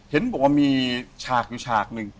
เห็นบอกว่ามีฉากอยู่ฉากหนึ่ง